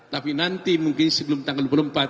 tapi nanti mungkin sebelum tanggal dua puluh empat